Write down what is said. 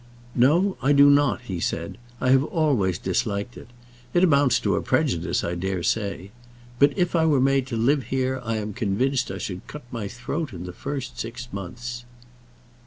"No; I do not," he said. "I have always disliked it. It amounts to a prejudice, I daresay. But if I were made to live here I am convinced I should cut my throat in the first six months."